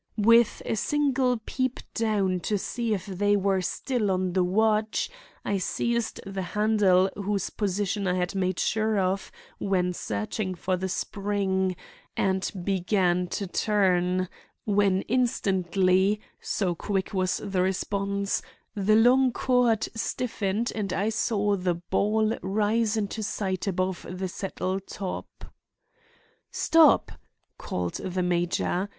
With a single peep down to see if they were still on the watch, I seized the handle whose position I had made sure of when searching for the spring, and began to turn; when instantly—so quick was the response—the long cord stiffened and I saw the ball rise into sight above the settle top. "Stop!" called out the major.